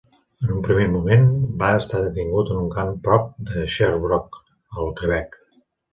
En un primer moment, va estar detingut en un camp a prop de Sherbrooke, al Quebec.